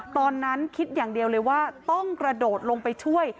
ตอนนั้นคิดอย่างเดียวเลยว่าต้องกระโดดลงไปช่วย